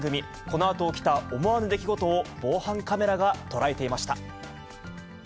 このあと起きた思わぬ出来事を、防犯カメラが捉えていました。